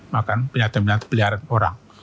makan minyak minyak pelihara orang